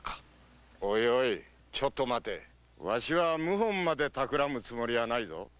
おいちょっと待てワシは謀反までたくらむつもりはないぞ。